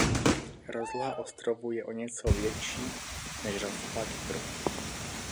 Rozloha ostrovů je o něco větší než rozloha Kypru.